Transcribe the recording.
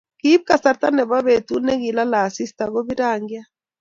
kiip kasarta nepo petut nekilalei asista kopir rangchat